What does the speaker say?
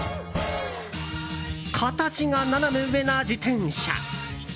形がナナメ上な自転車。